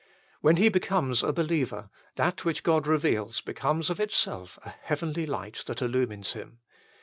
When he becomes a believer, that which God reveals becomes of itself a heavenly light that illumines him.